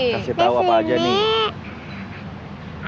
kasih tahu apa aja nih